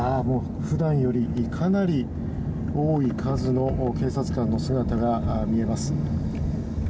普段よりかなり多い数の警察官の姿が見えます。